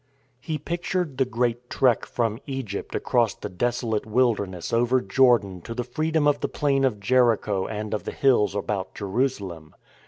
He pictured the great " trek " from Egypt across the desolate wilderness over Jordan to the freedom of the plain of Jericho and of the hills about Jerusalem.